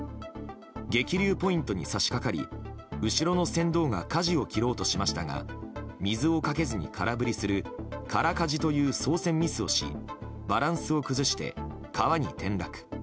激流ポイントに差し掛かり後ろの船頭がかじを切ろうとしましたが水をかけずに空振りする空かじという操船ミスをしバランスを崩して川に転落。